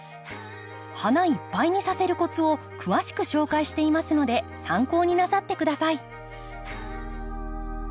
花いっぱいにさせるコツを詳しく紹介していますので参考になさって下さい。